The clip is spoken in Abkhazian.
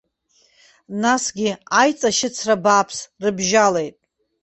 Насгьы аиҵашьыцра бааԥс рыбжьалеит.